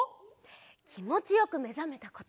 きもちよくめざめたこと。